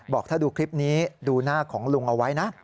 บอกถ้าดูคลิปนี้ดูหน้าของลุงเอาไว้นะ